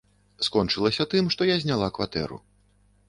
Скончылася тым, што я зняла кватэру.